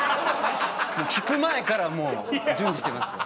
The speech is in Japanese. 聞く前からもう準備してますよ。